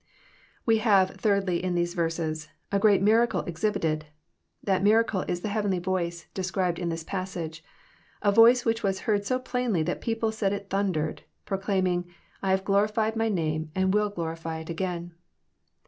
We have, thirdly, in theue verses, a great mirade exhib* ited. That miracle is the heavenly Voice described in this passage, — a voice which was heard so plainly that people said it thundered, — proclaiming, "I have glorified my name, and will glorify it again."